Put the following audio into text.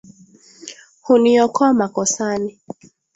Huniokoa makosani;